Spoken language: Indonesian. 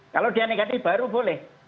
kalau dia negatif baru boleh